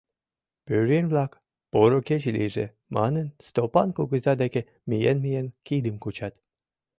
Пӧръеҥ-влак, «Поро кече лийже!» манын, Стопан кугыза деке миен-миен, кидым кучат.